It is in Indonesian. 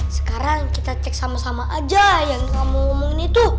sekarang kita cek sama sama aja yang kamu ngomongin itu